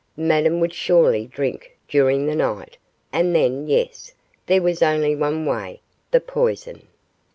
Madame would surely drink during the night, and then yes, there was only one way the poison!